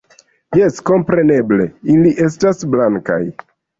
Jes, kompreneble, ili estas blankaj...